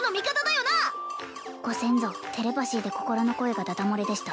よなご先祖テレパシーで心の声がだだ漏れでした